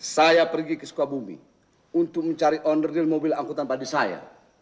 saya pergi ke sukabumi untuk mencari onderdil mobil angkutan padi saya